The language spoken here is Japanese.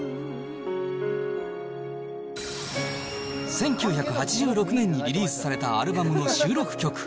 １９８６年にリリースされたアルバムの収録曲。